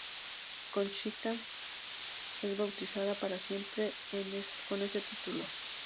Conchita es bautizada para siempre con ese título.